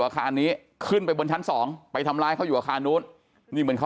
ของอาคารเค